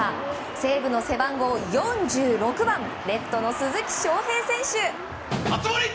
西武の背番号４６番レフトの鈴木将平選手。